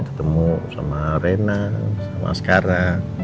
ketemu sama rena sama sekarang